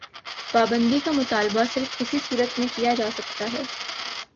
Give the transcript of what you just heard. پابندی کا مطالبہ صرف اسی صورت میں کیا جا سکتا ہے۔